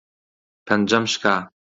پەنجەم شکا.